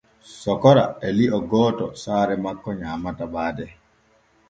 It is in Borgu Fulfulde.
Sokora e lio gooto saare makko nyaamata baade.